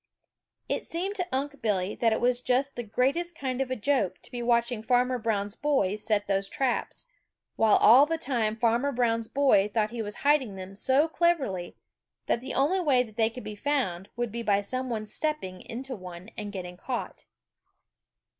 It seemed to Unc' Billy that it was just the greatest kind of a joke to be watching Farmer Brown's boy set those traps, while all the time Farmer Brown's boy thought he was hiding them so cleverly that the only way they would be found would be by some one stepping into one and getting caught.